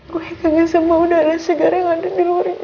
gue tanya sama udara segar yang ada di luar itu